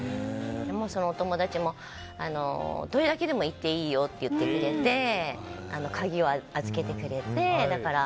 そのお友達もどれだけいていいよって言ってくれて鍵を預けてくれて。